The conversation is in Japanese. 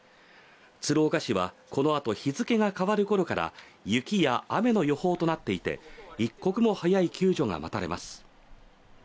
鶴岡市は、このあと日付が変わるころから雪や雨の予報となっていて、一刻も早い救助が待たれます。